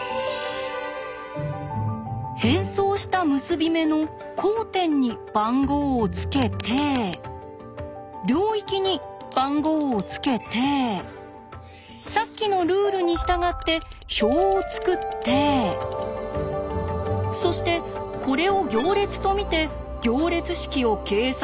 変装した結び目の交点に番号をつけて領域に番号をつけてさっきのルールに従って表を作ってそしてこれを行列と見て行列式を計算すると。